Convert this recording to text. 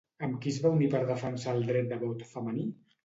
Amb qui es van unir per a defensar el dret de vot femení?